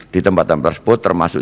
di tempat tempat tersebut termasuk